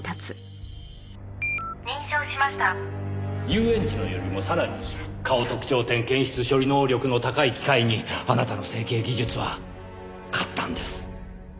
遊園地のよりもさらに顔特徴点検出処理能力の高い機械にあなたの整形技術は勝ったんです。